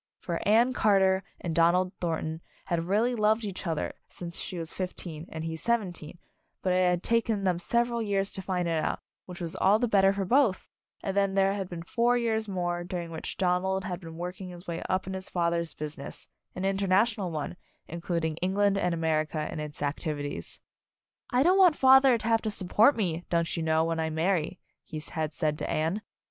For Anne Carter and Donald Thornton had really loved each other since she was fif teen and he seventeen, but it had taken them several years to find it out, which was all the better for both, and then there had been four years more during which Donald had been working his way up in his father's business, an international one, including England and America in its activities. "I don't want father to have to support me, don't you know, when I marry," he had said to Anne.